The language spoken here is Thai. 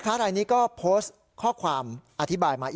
ค้าเป็นผู้ชายชาวเมียนมา